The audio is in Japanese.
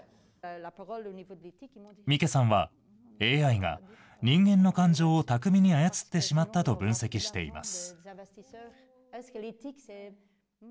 ミケさんは、ＡＩが人間の感情を巧みに操ってしまったと分析しています。